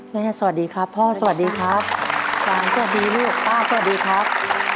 สวัสดีครับพ่อสวัสดีครับจันสวัสดีลูกป้าสวัสดีครับ